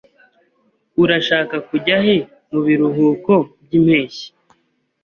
Urashaka kujya he mubiruhuko byimpeshyi?